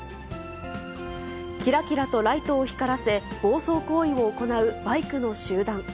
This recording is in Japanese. きらきらとライトを光らせ、暴走行為を行うバイクの集団。